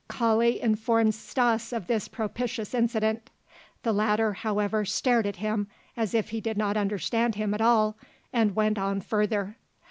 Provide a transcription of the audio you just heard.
Kali informed Stas of this propitious incident; the latter, however, stared at him as if he did not understand him at all and went on further.